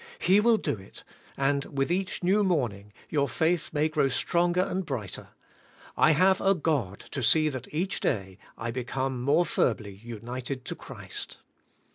He will do it; and with each new morning your faith may grow stronger and brighter: I have a God to see that each day I become more firmly united to Christ.